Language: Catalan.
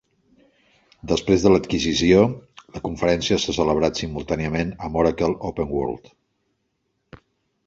Després de l'adquisició, la conferència s'ha celebrat simultàniament amb Oracle OpenWorld.